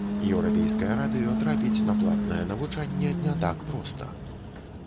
Еўрапейскае радыё трапіць на платнае навучанне не так проста.